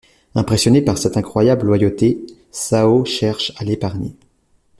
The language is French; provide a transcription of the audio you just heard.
Impressionné par cette incroyable loyauté, Cao cherche à l'épargner.